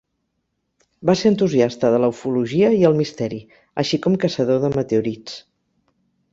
Va ser entusiasta de la ufologia i el misteri, així com caçador de meteorits.